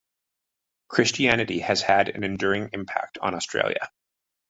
Christianity has had an enduring impact on Australia.